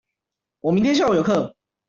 我明天下午有課